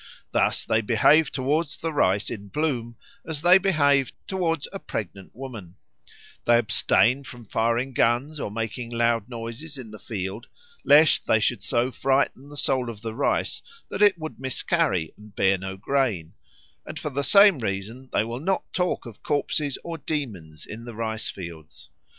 Thus they behave towards the rice in bloom as they behave towards a pregnant woman; they abstain from firing guns or making loud noises in the field, lest they should so frighten the soul of the rice that it would miscarry and bear no grain; and for the same reason they will not talk of corpses or demons in the rice fields.